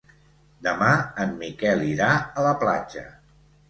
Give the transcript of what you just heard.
Demà en Miquel irà a la platja.